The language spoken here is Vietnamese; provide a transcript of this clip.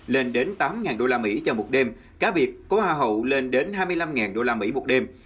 lên đến tám usd cho một đêm cá biệt có hoa hậu lên đến hai mươi năm usd một đêm